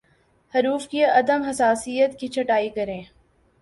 حروف کی عدم حساسیت کی چھٹائی کریں